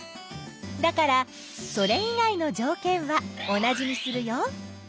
だからそれ以外のじょうけんは同じにするよ。